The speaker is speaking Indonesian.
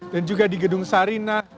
dan juga di gedung sarina